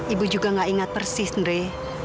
ibu juga gak ingat persis deh